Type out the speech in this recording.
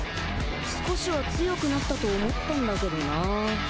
少しは強くなったと思ったんだけどなぁ